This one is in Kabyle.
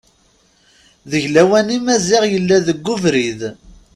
Deg lawan-nni Maziɣ yella deg ubrid.